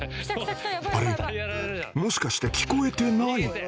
あらやだもしかして聞こえてない？